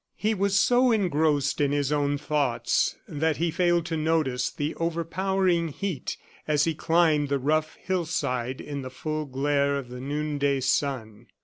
He was so engrossed in his own thoughts that he failed to notice the overpowering heat as he climbed the rough hill side in the full glare of the noonday sun.